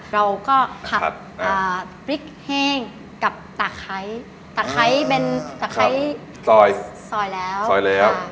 เราก็ถัดพริกแห้งกับตะไคตะไคเป็นตะไคซอยแล้ว